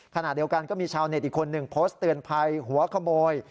ขณะเดียวกันก็มีชาวเน็ตอีกคนหนึ่งโพสต์เตือนภัยหัวขโมย